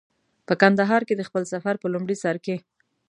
په کندهار کې د خپل سفر په لومړي سر کې.